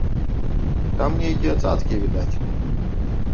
Там нейкія цацкі відаць.